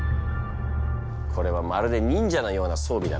これはまるで忍者のような装備だな。